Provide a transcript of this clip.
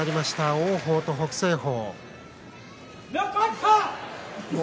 王鵬と北青鵬。